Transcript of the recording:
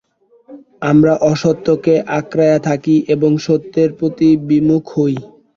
আমরা অসত্যকে আঁকড়াইয়া থাকি এবং সত্যের প্রতি বিমুখ হই।